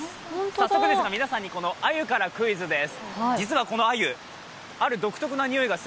早速ですが、皆さんにこのアユからクイズです。